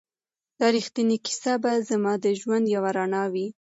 دا ریښتینې کیسه به زما د ژوند یوه رڼا وي.